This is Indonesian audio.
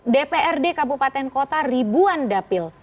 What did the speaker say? dprd kabupaten kota ribuan dapil